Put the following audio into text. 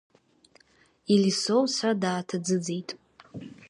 Елисо лцәа дааҭаӡыӡеит.